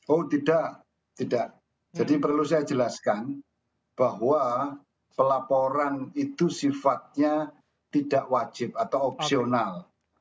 oh tidak tidak jadi perlu saya jelaskan bahwa pelaporan itu sifatnya tidak wajib atau opsional